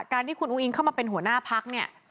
การที่คุณองค์อิงเข้ามาเป็นหัวหน้าภักษ์